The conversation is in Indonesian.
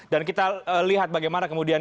dan kita lihat bagaimana kemudian